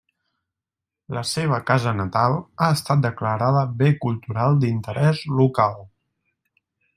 La seva casa natal ha estat declarada Bé Cultural d'interès local.